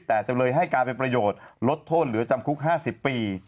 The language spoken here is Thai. แต่จำเลยให้การเป็นประโยชน์ลดโทษเหลือจำคุก๕๐ปี